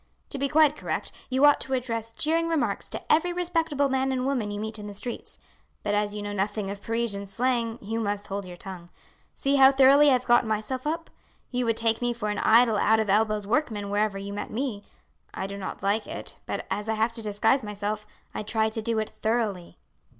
To be quite correct, you ought to address jeering remarks to every respectable man and woman you meet in the streets; but as you know nothing of Parisian slang, you must hold your tongue. See how thoroughly I have got myself up. You would take me for an idle out of elbows workman wherever you met me. I do not like it; but, as I have to disguise myself, I try to do it thoroughly."